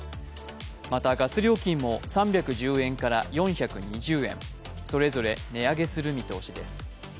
また、ガス料金も３１０円から４２０円、それぞれ値上げする見通しです。